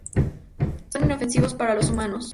Son inofensivos para los humanos.